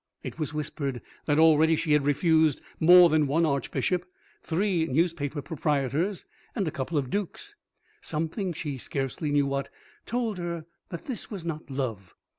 It was whispered that already she had refused more than one Archbishop, three Newspaper Proprietors and a couple of Dukes. Something, she scarcely knew what, told her that this was not love.